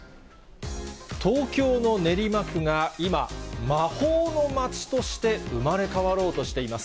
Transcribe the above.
東京の練馬区が今、魔法の街として生まれ変わろうとしています。